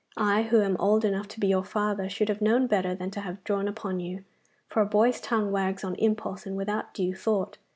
I, who am old enough to be your father, should have known better than to have drawn upon you, for a boy's tongue wags on impulse and without due thought.